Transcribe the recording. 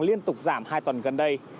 liên tục giảm hai tuần gần đây